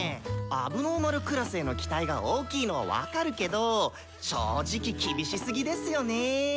問題児クラスへの期待が大きいのは分かるけど正直厳しすぎですよね！